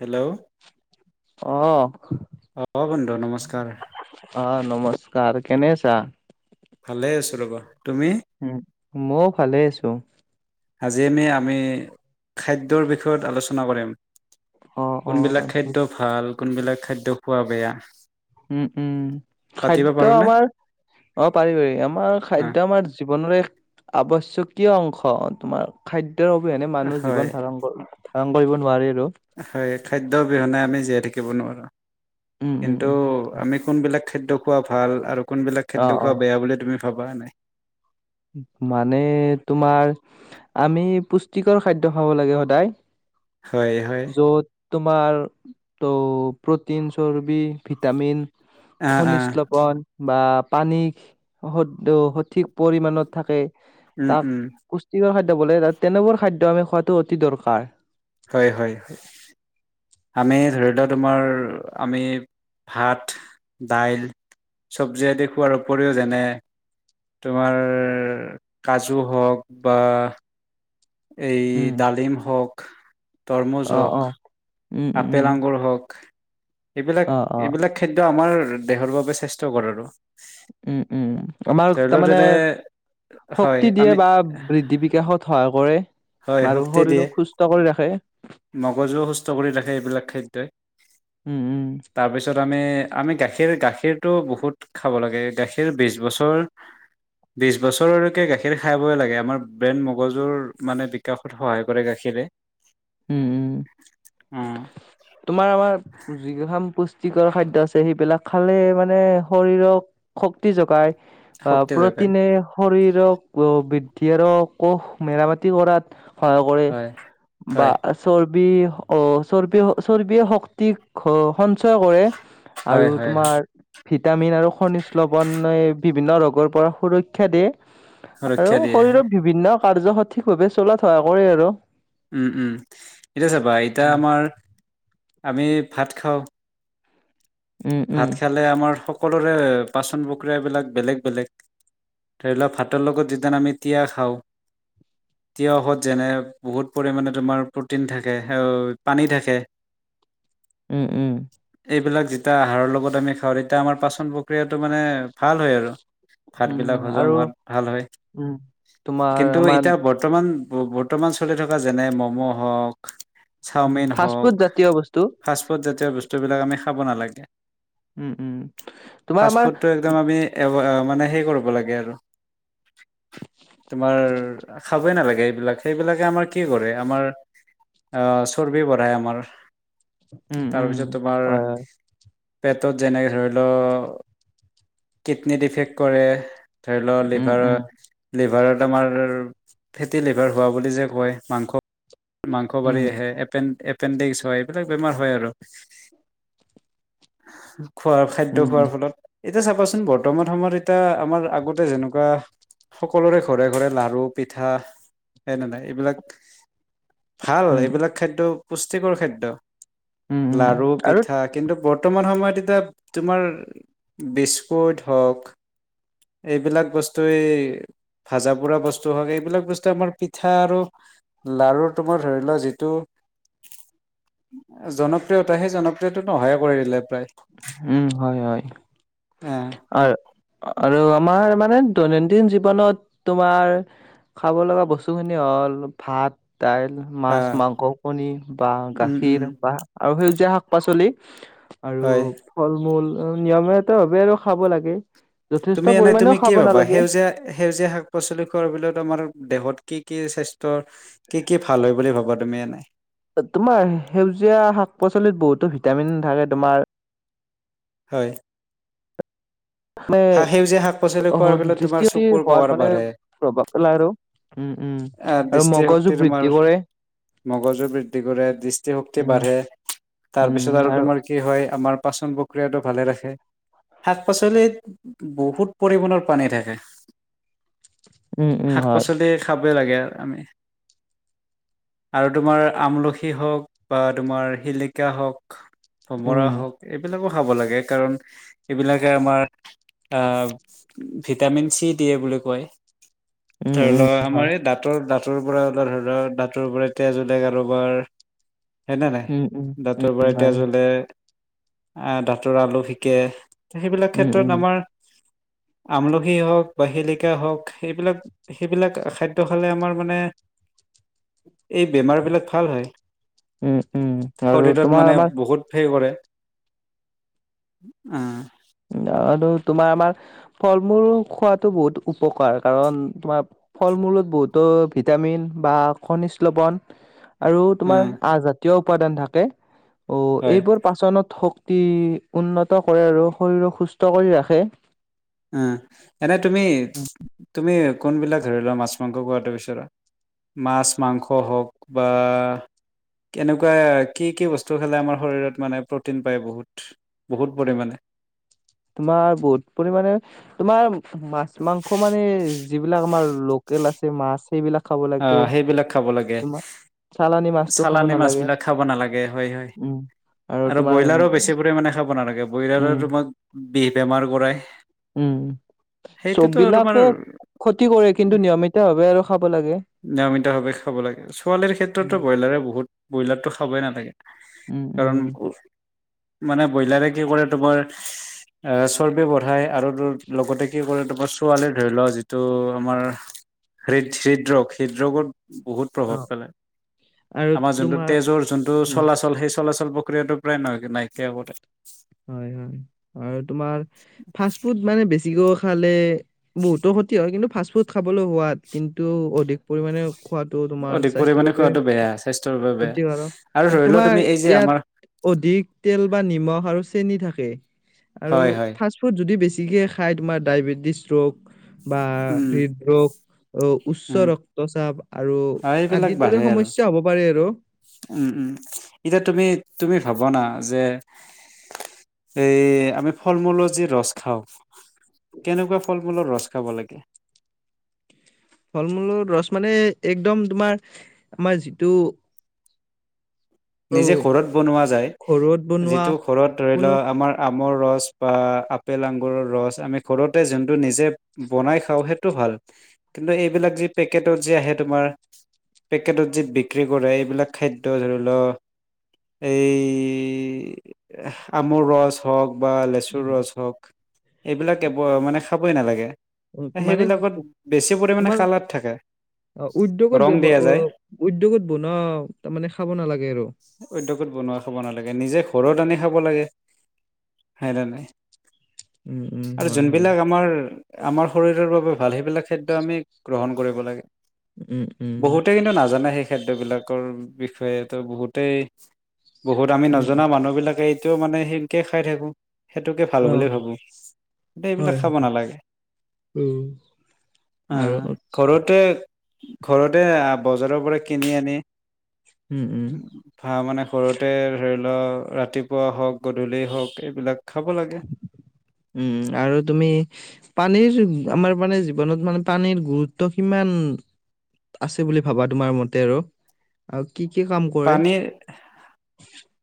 Hello অ', অ বন্ধু নমস্কাৰ অ' নমস্কাৰ। কেনে আছা? ভালে আছো ৰবা। তুমি উ, মও ভালে আছো। আজি এনে আমি, খাদ্যৰ বিষয়ত আলোচনা কৰিম। অ', কোনবিলাক অ'। খাদ্য ভাল কোনবিলাক খাদ্য খোৱা বেয়া। উ, উ, পাতিব খাদ্য পাৰোনে আমাৰ, অ' পাৰি পাৰি। আমাৰ খাদ্য আমাৰ জোক ৱনৰে আৱশ্যকীয় অংশ, তোমাৰ খাদ দ্যৰ অবিহনে মানুহ হয় জীৱন ধাৰণ কৰ ধাৰন কৰিব নোৱাৰি। আৰু। হয়, খাদ্য অবিহনে আমি জীয়াই থাকি কিব নোৱাৰা। উম উম কিন্তু, উম আমি কোনবিলাক খাদ্য খোৱা ভাল আৰু কোনবিলাক খাদ্য অ', খোৱা অ', বেয়া বুলি তুমি ভবা নাই। মানে তোমাৰ, আমি পুষ্টিকৰ খাদ্য খাব লাগে সদায়। হয়, হয় য'ত তোমাৰ টো প্ৰটিন, চৰ্বি, ভিটামিন। আহ খনিচ আহ লৱন বা পানীক সদো সঠিক মানত থাকে উম তাক উম পুষ্টিকৰ খাদ বোলে তাত, তেনেবোৰ খাদ্য আমি খোৱাটো অতি দৰকাৰ। হয়, হয়, হয়। আমি ধৰি লৱা তোমাৰ আমি ভাত, দাইল, চব্জি আদি খোৱাৰ উপৰিও যেনে তোমাৰ কাজু হওক বা এই উম ডালিম হওঁক, তৰমুজ অ অ হওক, উম উম আপেল, আঙুৰ হওক, এইবিলাক অ অ এইবিলাক খাদ্য আমাৰ দেহৰ বাবে স্বাস্থ্যকৰ আৰু উম উম। আমাৰক ধৰি লও তামানে যেনে হয় শক্তি দিয়ে আমি বা বৃদ্ধি বিকাশত সহায় কৰে। হয় আৰু শক্তি দিয়ে, শৰীৰক সুস্থ কৰি ৰাখে। মগজু সুস্থ কৰি ৰাখে এইবিলাক খাদ্যই। উম উম তাৰপিছত আমি আমি গাখীৰ গাখীৰটো বহুত খাব লাগে, গাখীৰ বিশ বছৰ বিশ বছৰলৈকে গাখীৰ খাবই লাগে। আমাৰ ব্ৰেইন মগজুৰ মানে বিকাশত সহায় কৰে গাখীৰে উম উম অ তোমাৰ আমাৰ যিকেখান পুচ টিকৰ খাদ্য আছে সেইবিলাক খালে মানে শৰীৰক শক্তি জোগায় অ শক্তি জগাই প্ৰ'টিনে শৰীৰক বৃদ্ধি আৰ কোষ মেৰামতি কৰাত সহায় কৰে। হয় বা হয় আচৰ ৰ্বি অ চৰ্বি চৰ্বিয় শক্তিক ঘ সঞ্চয় কৰে, আৰু হয় হয় হয় তোমাৰ ভিটামিন আৰু খনিজ লৱণ এই বিভিন্ন ৰোগৰ পৰা সুৰক্ষা দিয়ে। সুৰক্ষা আৰু দিয়ে শৰীৰৰ বিভিন্ন কাৰ্য সঠিকভাৱে চলাত সহায় কৰে আৰু। উম উম, এতিয়া চাবা এতিয়া আমাৰ, আমি ভাত [unintelligible] উম উম ভাত খালে আমাৰ সকলোৰে পচন প্ৰক্ৰিয়াবিলাক বেলেগ বেলেগ। ধৰি লওক ভাতৰ লগত যিদিনা আমি তিয়হ খাওঁ, তিঁয়হত যেনে বহুত পৰিমাণে তোমাৰ প্ৰ'টিন থাকে, পানী থাকে উম উম। এইবিলাক এটা আহাৰৰ লগত আমি খাওঁ এতি আমাৰ পাচন ক্ৰিয়াটো মানে ভাল হয় আৰু। উম ভাতবিলাক হজম আৰু হোৱাত ভাল হয়, উম, তোমাৰ কিন্তু আমাৰ এতিয়া বৰ্তমান বৰ্তমান চলি থকা যেনে মম' হওক উম, চাওমিন ফাষ্ট ফুড জাতীয় বস্তু। [unintelligible] বস্তু বিলাক আমি খাব নালাগে। উম, উম। তোমাৰ ফাষ্ট আমাৰ ফুডটো একদম আমি এভ মানে সেই কৰিব লাগে আৰু তোমাৰ খাবই নালাগে। এইবিলাক, সেইবিলাকে আমাৰ কি কৰে, আমাৰ আহ চৰ্বি বঢ়াই আমাৰ। উম, উম। তাৰপিছত তোমাৰ হয়, হয়। পেটত যেনেকে ধৰি লওক, কিডনীত ইফেক্ট কৰে। ধৰি লও উম, লিভাৰৰ, উম, লিভাৰত [unintelligible] ফেটি লিভাৰ হোৱা বুলি যে কয়, মাংস মাংস উম, বাঢ়ি আহে এপেন এপ এপেণ্ডিক্স হয়, এইবিলাক বেমাৰ হয় আৰু। [inaudible] খোৱাৰ, খাদ্য উম, খোৱাৰ ফলত এতিয়া চাবাচোন, বৰ্তমান সময়ৰ এতিয়া আমাৰ আগতে যেনেকুৱা সকলোৰে ঘৰে ঘৰে লাৰু, পিঠা সেনে নাই এইবিলাক ভাল উম, এইবিলাক খাদ্য পুষ্টিকৰ খাদ্য। উম, উম। লাৰু, আৰু পিঠা বৰ্তমান সময়ত এতিয়া তোমাৰ বিস্কুট হওক, এইবিলাক বস্তুৱে ভাজা পুৰা বস্তু হওক, এইবিলাক বস্তুৱেই আমাৰ পিঠা আৰু লাৰু, তোমাৰ ধৰি লোৱা যিটো জনপ্ৰিয়তা হেই জনপ্ৰিয়তা টো ন সহায় কৰি দিলে উম, হয়, হয় অ আৰ, আৰু আমাৰ মানে দৈনন্দিন জীৱনত তোমাৰ খাব লগা বস্তু খিনি হ'ল ভাত দাইল, মাছ, মাংস, কণী বা উম উম গাখীৰ বা আৰু সেউজীয়া শাক পাচলি আৰু হয় ফল মূল নিয়মিয়াত ভাৱে আৰু খাব লাগে। যথেষ্ট তুমি এনেই, পৰিমাণেও তুমি কি খাব ভাবা নালাগে। সেউজীয়া, সেউজীয়া শাক পাচলি খোৱাৰ বিলত আমাৰ দেহত কি কি স্বাস্থ্যৰ কি কি ভাল হয় বুলি ভাবা তুমি এনেই? তোমাৰ সেউজীয়া শাক পাচলিত বহুতো ভিটামিন থাকে তোমাৰ হয়। মানে হা সেউজীয়া শাক পাচলি খোৱাৰ ফলত তোমাৰ দৃষ্টিশক্তি চকুৰ হোৱাৰ পাৱাৰ মানে বাঢ়ে। প্ৰভাৱ পেলাই আৰু। উম, উম। আহ আৰু মগজু দৃষ্টিশক্তি তোমাৰ বৃদ্ধি কৰে। মগজু বৃদ্ধি কৰে, দৃষ্টিশক্তি উম, বাঢ়ে, তাৰপিছত আৰু তোমাৰ কি হয় আমাৰ পাচন প্ৰক্ৰিয়াটো ভালে ৰাখে। শাক পাচলিত বহুত পৰিমাণৰ পানী থাকে। উম, উম, শাক হয়, পাচলি খা বই লাগে আৰু আমি আৰু তোমাৰ আমলখি হওঁক বা তোমাৰ শিলিকা হওঁক অমৰা উম, হওঁক এইবিলাকো খাব লাগে। কাৰণ এইবিলাকে আমাৰ আ' ভিটামিন চি দিয়ে বুলি কয়। উম, ধৰি উম, লোৱা, হয়, আমাৰ এই দাঁতৰ দাঁত দাঁতৰ পৰা [unintelligible] দাঁতৰ পৰা তেজ ওলাই কাৰোবাৰ। হয়নে নাই? উম, উম, দাঁতৰ উম, পৰা হয়, তেজ হয়, ওলাই। আ' দাঁতৰ আলু শিকে। সেইবিলাক উম, উম, ক্ষেত্ৰত আমাৰ। আমলখি হওক বা শিলিকা হওক এইবিলাক সেইবিলাক খাদ্য খালে আমাৰ মানে এই বেমাৰ বিলাক ভাল হয়। উম উম, আৰু তোমাৰ আমাৰ আহ। আৰু তোমাৰ আমাৰ ফল-মূল খোৱাটো বহুত উপকাৰ। কাৰণ, তোমাৰ ফল-মূলত বহুতো ভিটামিন বা খনিজ লৱন আৰু তোমাৰ উম আজাদ। [unintelligible] উপাদান থাকে। অ' হয় এইবোৰ পাচনত হওঁক। অতি উন্নত কৰে আৰু। শৰীৰক সুস্থ কৰি ৰাখে। উম, এনে তুমি - তুমি [unintelligible] ধৰি লোৱা মাছ মাংস [unintelligible] মাছ মাংস হওঁক বা এনেকুৱা কি কি বস্তু খালে আমাৰ শৰীৰত মানে প্ৰটিন পাই বহুত বহুত প্ৰটিন [unintelligible] তোমাৰ বহুত পৰিমণে তোমাৰ মাছ - মাংস মানে যিবিলাক আমাৰ লোকেল আছে মাছ সেইবিলাক খাব লাগে অ' সেইবিলাক খাব লাগে, তোমাৰ চালানী মাছটো খাব চালানি মাছ নালাগে বিলাক খাব নালাগে হয় হয় উম। আৰু ব্ৰইলাৰো বেছি পৰিমাণে খাব নালাগে উম, ব্ৰইলাৰৰোমাক বি- বেমাৰ কৰাই। উম, চব সেইটোতো তোমাৰ বিলাকে ক্ষতি কৰে কিন্তু নিয়মিত ভাৱে আৰু সাব নিয়মিতভাৱে খাব লাগে, ছোৱালীৰ ক্ষেত্ৰতো উম, ব্ৰইলাৰে বহুত ব্ৰইলাৰো খবেই নালাগে। উম, উম, কাৰণ মানে ব্ৰইলাৰে কি কৰে তোমাৰ এ চৰ্বে বঢ়াই আৰু লগতে কি কৰে তোমাৰ পোৱালি [unintelligible] ধৰি লও যিটো আমাৰ হৃদ হৃদ্ৰ ৰোগ হৃদ ৰোগত [inaudible] বহুত প্ৰভাৱ অ', পেলাই, আৰু আমাৰ যোনটো তোমাৰ তেজৰ যোনটো উম চলাচল সেই চলাচল প্ৰক্ৰিয়াটো প্ৰায় নাইক- নাইকিয়া কৰে। হয় হয় আৰু তোমাৰ ফাষ্ট ফুড মানে বেছি তিয়হ খালে বহুতো ক্ষতি হয় কিন্তু ফাষ্ট ফুড খাবলৈ সোৱাদ কিন্তু অধিক পৰিমাণে খোৱাাটো তোমাৰ অধিক স্বাস্থ্যৰ পৰিমাণে বাবে খোৱাটো বেয়া স্বাস্থ্যৰ বাবে বেয়া ক্ষতিকাৰক, আৰু ধৰি লোৱা তোমাৰ তুমি এই যে ইয়াত আমাৰ অধিক তেল বা নিমখ আৰু চেনি থাকে আৰু হয় হয় ফাষ্ট ফুড যদি বেছি [unintelligible] খাই তোমাৰ ডায়েবেটিছ ৰোগ বা উম হৃদৰোগ, উচ্চ ৰক্তচাপ আৰু অ', এইবিলাক আদিৰ দৰে বাঢ়ে আৰু, সমস্যা হ'ব পাৰে আৰু। উম উম, এতিয়া তুমি তুমি ভাব না যে এ আমি ফল মূলৰ যি ৰস খাও, কেনেকুৱা ফল মূলৰ ৰস খাব লাগে? ফল মূলৰ ৰছ মানে, একদম তোমাৰ আমাৰ যিটো নিজে অ', ঘৰত বনোৱা যায়, ঘৰত বনোৱা যিটো ঘৰত ধৰি কোনো লোৱা আমাৰ আমৰ ৰচ বা আপেল আঙগুৰৰ ৰস আমি ঘৰতে যোনটো নিজে বনাই খাওঁ সেইটো ভাল কিন্তু এইবিলাক যি পেকেটত যি আহে তোমাৰ, পেকেটত যি বিক্ৰী কৰে এইবিলাক খাদ্য ধৰি লওক এই, আমৰ ৰছ হওক বা লেচুৰ উম, ৰস হওক এইবিলাক কেব মানে খাবই নালাগে। মানে সেইবিলাকত বেছি পৰিমাণে তোমাৰ কালাৰ থাকে উদ্যোগত ৰং দিয়া যায় [unintelligible] উদ্যোগত বনোৱা তাৰ মানে খাব নালাগে। আৰু উদ্যোগত বনোৱা খাব নালাগে। নিজে ঘৰত আনি খাব লাগে। সেই তেনে। উম, উম, আৰু হয়, হয়, যোনবিলাক আমাৰ আমাৰ শৰীৰৰ বাবে ভাল, সেইবিলাক খাদ্য আমি গ্ৰহণ কৰিব লাগে। উম, উম, বহুতে কিন্তু নাজানে সে খাদ্যবিলাকৰ বিষয়ে। তো বহুতেই বহুত আমি উম, নজনা উম, মানুহবিলাকে তেও মানে সেনেকে খাই থাকো। সেইটোকে ভাল বুলি অ', ভাবো এইবিলাক হয়, খাব হয়, নালাগে উম, আৰু আহ ঘৰতে, ঘৰতে বজাৰৰ পৰা কিনি আনি, উম, উম, উ ভা [unintelligible] মানে সৰুতে ধৰি ল, ৰাতিপুৱা হওক গধূলি হওক এইবিলাক, খাব লাগে উম আৰু তুমি পানীৰ [unintelligible] আমাৰ মানে জীৱনত মানে পানীৰ গুৰুত্ব কিমান আছে বুলি ভাবা তোমাৰ মতে আৰু, কি কি কাম কৰে? পানীৰ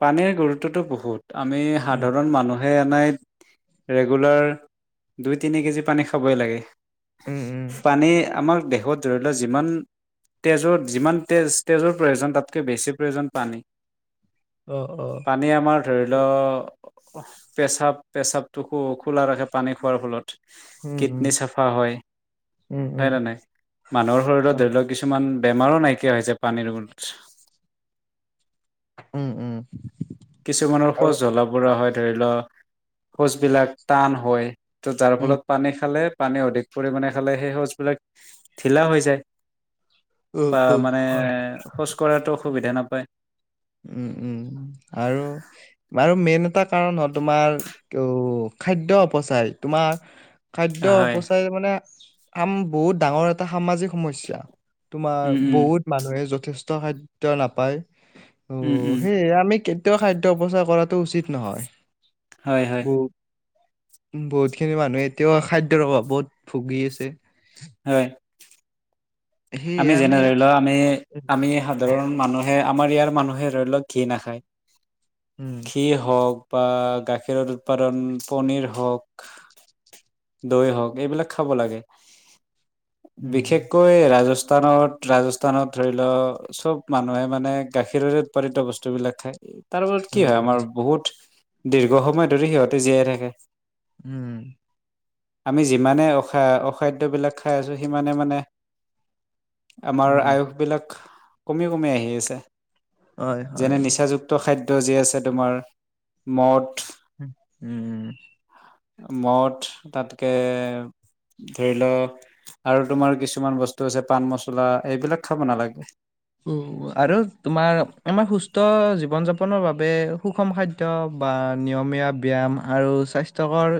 পানীৰ গুৰুত্ব [unintelligible] [unintelligible] তো বহুত আমি উম, সাধাৰণ মানুহ। সেই অননাইত [unintelligible] ৰেগুলাৰ দুই তিনি কেজি পানী খাবই লাগে। উম, উম, পানী আমাৰ হত ধ [unintelligible] যিমান তেজৰ যিমান তেজ, তেজৰ প্ৰয়োজন তাত কৈ বেছি প্ৰয়োজন পানী। অহ অহ! পানী আমাৰ ধৰি ল পেচাব, পেচাবটো খো- খোলা ৰাখে পানী খোৱাৰ ফলত। উম, উম, কিডনী চাফা হয়। উম, উম, হয়নে নাই? মানুহৰ শৰীৰত অ', ধৰি লওক কিছুমান বেমাৰো নাইকিয়া হৈছে পানী [unintelligible] উ, উ। কিছুমানৰ শৌচ জ্বলা-পোৰা হয়। ধৰি লোৱা, শৌচ বিলাক টান হয়। ত, তাৰ উম, ফলত পানী খালে পানী অধিক পৰিমাণে খালে সেই শৌচ বিলাক ঢিলা হৈ যায়। উম, বা উম, মানে হয়। শৌচ কৰাটো সুবিধা নাপায়। উ, উ আৰু মেইন এটা কাৰণ হল তোমাৰ ত' খাদ্য অপচায় তোমাৰ খাদ্য হয় অপচায় মানে আম বহুত ডাঙৰ এটা সামাজিক সমস্যা, তোমাৰ উম উম বহুত মানুহে য যষ্ট খাদ্য নাপায়। উম অ', উম সেই আমি কেত কিয় খাদ্য অপচাৰ কৰাটো উচিত নহয়। হয়, হয়। বত খিনি মানুহে এতিয়াও খাদ্যৰ অভাৱত ভুগি আছে। হয় আমি যেনে ধৰি লওঁ আমি- আমি সাধাৰণ মানু হে আমাৰ ইয়াৰ মানুহে ধৰি লওঁক ঘী নাখায়। উম ঘী হওঁক বা গাখীৰত উৎপাদন পনীৰ হওঁক, দৈ হওঁক এইবিলাক খাব লাগে। উম বিশেষকৈ ৰাজস্ স্থানত- ৰাজস্থানত ধৰি লওঁ, চব মানুহে মানে গাখীৰেৰে উৎপাদিত বস্তুবিলাক খায়। তাৰ ওপৰত কি উম হয় আমাৰ উম বহুত দীৰ্ঘ সময় ধৰি সিহঁতে জীয়াই থাকে। উম আমি যিমানে অখা-অখাদ্যবিলাক খাই আছো সিমানে মানে আমাৰ উম আয়ুস বিলাক। কমি কমি আহি আছে। হয় হয় যেনে নিচাযুক্ত খাদ্ ত' যি আছে তোমাৰ, মদ। উম মদ তাতকে ধৰি ল আৰু তোমাৰ কিছুমান বস্ তছে পাণ-মচলা এইবিলাক খাব নালাগে। উ, আৰু তোমাৰ আমাৰ সুস্থ জীৱন যাপনৰ বাবে সুষম খাদ্য বা নিয়মীয়া ব্যায়াম আৰু স্বাস্ স্থ্যকৰ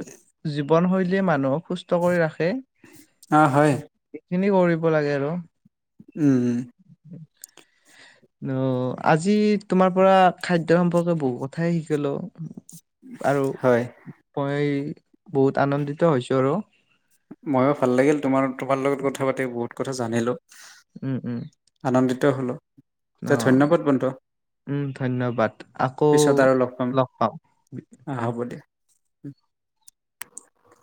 জীৱনশৈল লী মানুহক সুস্থ কৰি ৰাখে। অ হয় খিনি কৰিব লাগে আৰু উম অ', আজি তোমাৰ পৰা খাদ্য সম্পৰ্কে বহু কথাই শিকিলো আৰু হয়। মই বহুত আনন্দিত হৈছো আৰু ময়ো ভাল লাগিল তোমাৰ তোমাৰ লগত কথা পাতি বহুত কথা জানিলোঁ। উম উম, হলো তে অ' ধন্যবাদ বন্ধু উম ধন্যবাদ! আকৌ লগ পাম। আহ হ'ব দিয়া [inaudible]